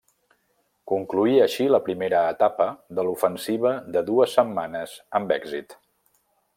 Concloïa així la primera etapa de l'ofensiva de dues setmanes amb èxit.